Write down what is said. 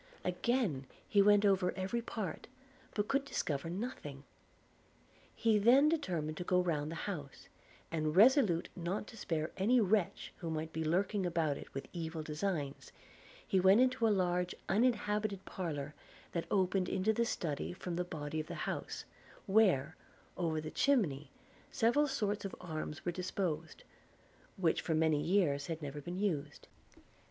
Again he went over every part, but could discover nothing. He then determined to go round the house; and resolute not to spare any wretch who might be lurking about it with evil designs, he went into a large uninhabited parlour that opened into the study from the body of the house, where, over the chimney, several sorts of arms were disposed, which for many years had never been used.